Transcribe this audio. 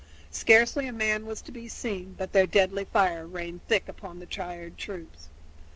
Scarcely a man was to be seen, but their deadly fire rained thick upon the tired troops.